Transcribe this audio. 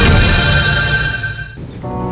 bija ini sudah tersatu